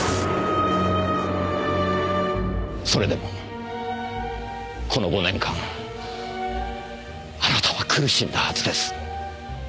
それでもこの５年間あなたは苦しんだはずです。